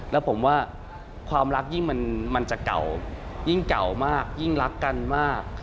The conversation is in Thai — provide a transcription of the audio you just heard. แล้วผมว่าความรักยิ่งมันจะเก่ายิ่งเก่ามากยิ่งรักกันมาก